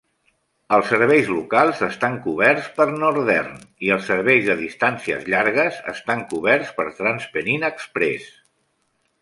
Els serveis locals estan coberts per Northern; i els serveis de distàncies és llargues estan coberts per TransPennine Express.